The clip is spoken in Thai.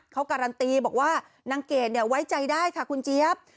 เขาการันตีบอกว่านางเกดไว้ใจได้ค่ะคุณเจี๊ยบ